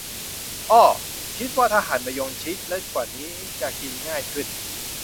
อ้อ คิดว่าถ้าหั่นมะยงชิดเล็กกว่านี้จะกินง่ายขึ้น